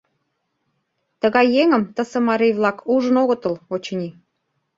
Тыгай еҥым тысе марий-влак ужын огытыл, очыни.